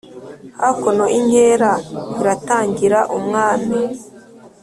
hakuno inkera iratangira umwami